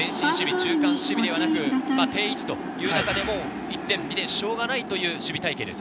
中間守備ではなく、定位置という中で１点２点はしょうがないという守備隊形です。